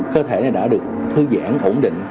cơ thể này đã được thư giãn ổn định